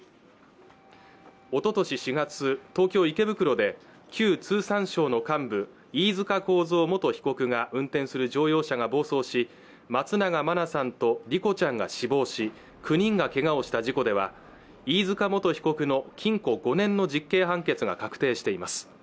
おととし４月東京池袋で旧通産省の幹部飯塚幸三元被告が運転する乗用車が暴走し松永真菜さんと莉子ちゃんが死亡し９人がけがをした事故では飯塚元被告の禁固５年の実刑判決が確定しています